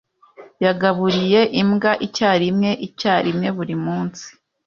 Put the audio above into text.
Yagaburiye imbwa icyarimwe icyarimwe buri munsi.